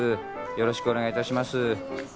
よろしくお願いします。